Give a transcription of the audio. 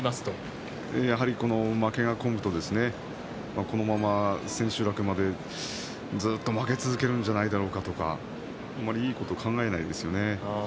やはり負けが込むとこのまま千秋楽までずっと負け続けるんじゃないだろうかとかあまりいいことを考えないですよね。